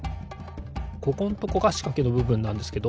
ここんとこがしかけのぶぶんなんですけど